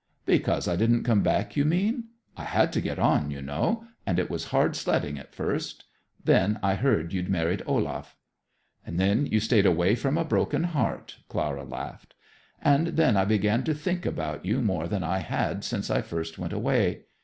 "Because I didn't come back, you mean? I had to get on, you know, and it was hard sledding at first. Then I heard you'd married Olaf." "And then you stayed away from a broken heart," Clara laughed. "And then I began to think about you more than I had since I first went away.